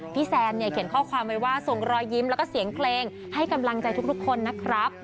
แซนเนี่ยเขียนข้อความไว้ว่าส่งรอยยิ้มแล้วก็เสียงเพลงให้กำลังใจทุกคนนะครับ